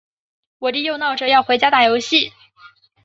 我弟又闹着要回家打游戏。